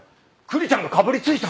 クリちゃんがかぶりついたんだ！